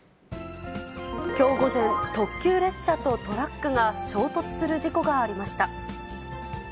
きょう午前、特急列車とトラックが衝突する事故がありました。